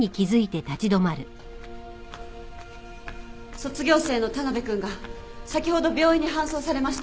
卒業生の田辺君が先ほど病院に搬送されました。